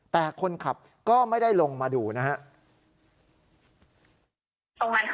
แต่คนขับก็ไม่ได้ลงมาดูนะครับ